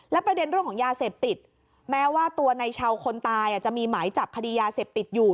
ประเด็นเรื่องของยาเสพติดแม้ว่าตัวในชาวคนตายจะมีหมายจับคดียาเสพติดอยู่